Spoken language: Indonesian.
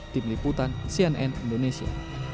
tim liputan cnn indonesia